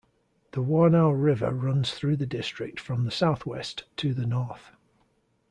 The Warnow river runs through the district from the southwest to the north.